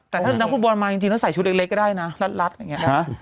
แต่ถ้านักฟุตบอลมาจริงจริงแล้วใส่ชุดเล็กเล็กก็ได้นะรัดรัดอย่างเงี้ยฮะ